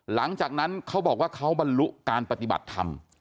หลังจากนั้นเขาบอกว่าเขาบรรลุการปฏิบัติธรรม